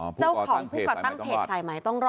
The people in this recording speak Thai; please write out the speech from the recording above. อ๋อผู้ก่อตั้งเพจไทยไหมต้องรอ